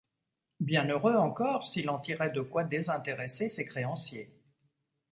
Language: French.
Bien heureux encore s’il en tirait de quoi désintéresser ses créanciers.